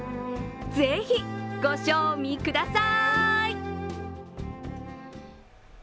ぜひ、ご賞味ください！